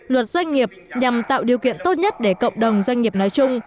luật doanh nghiệp nhằm tạo điều kiện tốt nhất để cộng đồng doanh nghiệp nói chung